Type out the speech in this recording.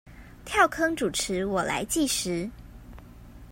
跳坑主持，我來計時